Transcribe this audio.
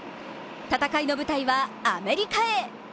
戦いの舞台は、アメリカへ。